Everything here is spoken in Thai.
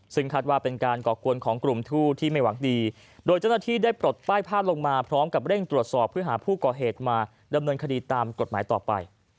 ซึ่งคาดว่าเป็นการก่อกวนของกลุ่มทู่ที่ไม่หวังดีโดยเจ้าหน้าที่ได้ปลดป้ายผ้าลงมาพร้อมกับเร่งตรวจสอบเพื่อหาผู้ก่อเหตุมาดำเนินคดีตามกฎหมายต่อไป